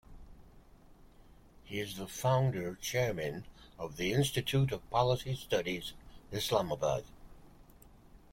He is the founder chairman of the Institute of Policy Studies, Islamabad.